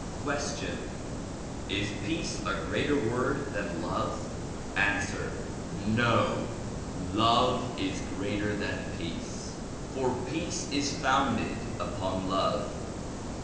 '' Question : Is peace a greater word than love ? Ansiver: No! love is greater than peace, for peace is founded upon love.